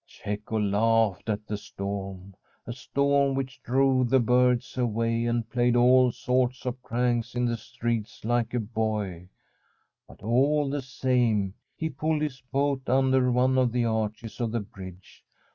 Cecco laughed at the storm — a storm which drove the birds away, and played all sorts of pranks in the street, like a boy. But, all the same, he pulled his boat under one of the arches of the bridge.